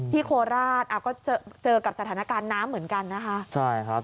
โคราชก็เจอกับสถานการณ์น้ำเหมือนกันนะคะใช่ครับ